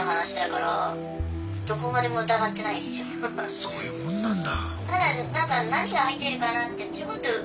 そういうもんなんだ。